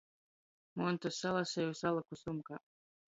Montys salaseju, salyku sumkā.